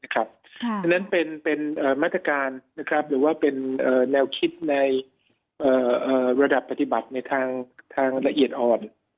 เพราะฉะนั้นเป็นมาตรการหรือว่าเป็นแนวคิดในระดับปฏิบัติในทางละเอียดอ่อน